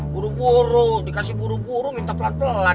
buru buru dikasih buru buru minta pelan pelan